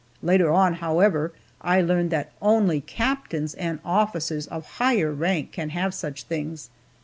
Later on, however, I learned that only captains and officers of higher rank can have such things.